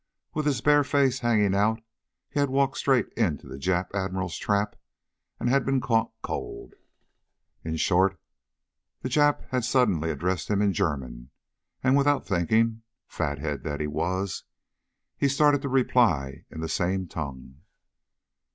With his bare face hanging out he had walked straight into the Jap Admiral's trap, and had been caught cold. In short, the Jap had suddenly addressed him in German, and without thinking, fathead that he was, he had started to reply in the same tongue.